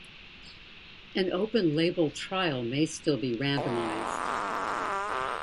An open-label trial may still be randomized.